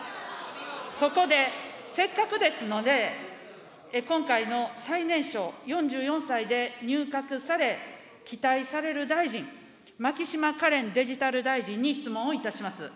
そこでせっかくですので、今回の最年少、４４歳で入閣され、期待される大臣、牧島かれんデジタル大臣に質問をいたします。